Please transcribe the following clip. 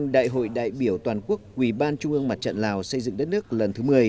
đại biểu toàn quốc ủy ban trung ương mặt trận lào xây dựng đất nước lần thứ một mươi